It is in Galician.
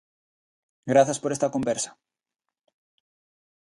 Grazas por esta conversa.